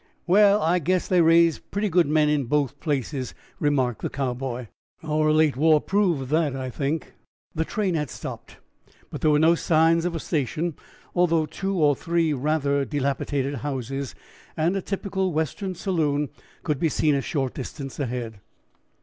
"Well, I guess they raise pretty good men in both places," remarked the Cowboy. "Our late war proved that, I think." The train had stopped, but there were no signs of a station, although two or three rather dilapidated houses and a typical Western saloon could be seen a short distance ahead.